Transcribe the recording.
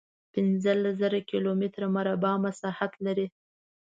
پنځلس زره کیلومتره مربع مساحت لري.